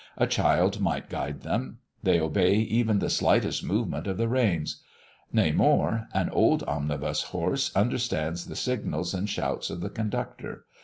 A child might guide them; they obey even the slightest movement of the reins; nay, more, an old omnibus horse understands the signals and shouts of the conductor.